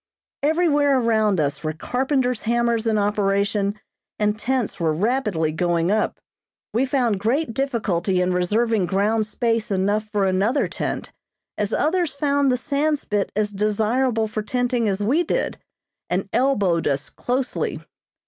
Everywhere around us were carpenter's hammers in operation, and tents were rapidly going up. We found great difficulty in reserving ground space enough for another tent, as others found the Sandspit as desirable for tenting as we did, and elbowed us closely.